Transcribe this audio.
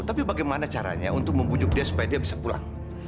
tapi bagaimana caranya untuk membujuk dia supaya dia bisa pulang